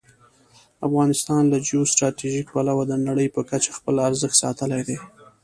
افغانستان له جیو سټراټژيک پلوه د نړۍ په کچه خپل ارزښت ساتلی دی.